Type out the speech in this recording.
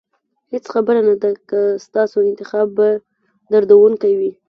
هېڅ خبره نه ده که ستاسو انتخاب به دردونکی وي.